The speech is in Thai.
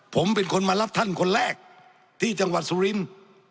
ผมเป็นคนมารับท่านคนแรกที่จังหวัดสุรินทร์